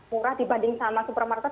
murah dibanding sama supermarket